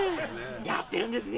やってるんですね